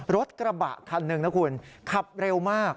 รถกระบะขันหนึ่งขับเร็วมาก